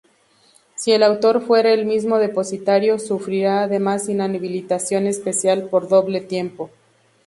Si el autor fuere el mismo depositario, sufrirá además inhabilitación especial por doble tiempo.